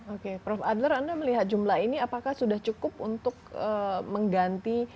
oke prof adler anda melihat jumlah ini apakah sudah cukup untuk mengganti